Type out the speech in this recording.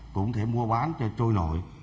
cũng có thể mua bán cho trôi nổi